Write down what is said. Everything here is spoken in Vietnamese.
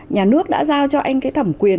nhà nước đã giao cho anh thẩm quyền